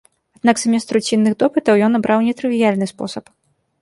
Аднак замест руцінных допытаў ён абраў нетрывіяльны спосаб.